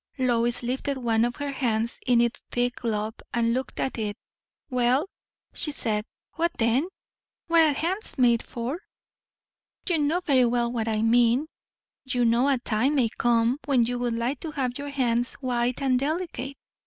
Lois lifted one of her hands in its thick glove, and looked at it. "Well," she said, "what then? What are hands made for?" "You know very well what I mean. You know a time may come when you would like to have your hands white and delicate."